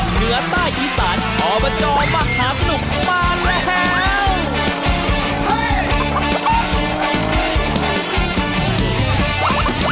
เหนือใต้อิสันออบจภาคางสนุกมาแล้ว